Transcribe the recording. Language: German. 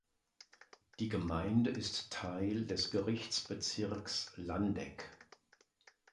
Die Gemeinde ist Teil des Gerichtsbezirks Landeck.